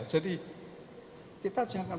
jadi kita jangan